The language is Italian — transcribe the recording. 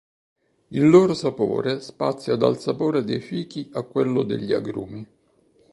Il loro sapore spazia dal sapore dei fichi a quello degli agrumi.